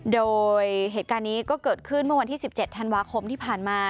โดยเหตุการณ์นี้ก็เกิดขึ้นเมื่อวันที่๑๗ธันวาคมที่ผ่านมา